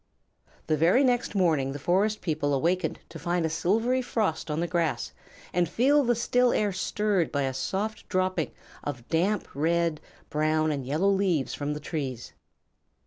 The very next morning the Forest People awakened to find a silvery frost on the grass and feel the still air stirred by the soft dropping of damp red, brown, and yellow leaves from the trees.